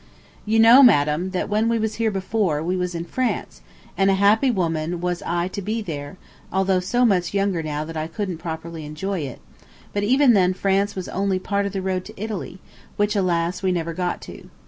You know, madam, that when we was here before, we was in France, and a happy woman was I to be there, although so much younger than now I couldn't properly enjoy it; but even then France was only part of the road to Italy, which, alas, we never got to.